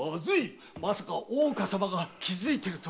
まさか大岡様が気づいているとは。